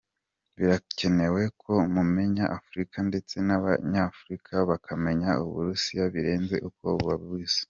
Birakenewe ko mumenya Afurika ndetse n’Abanyafurika bakamenya u Burusiya birenze uko babuzi.